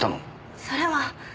それは。